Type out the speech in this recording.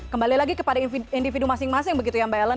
kembali lagi kepada individu masing masing begitu ya mbak ellen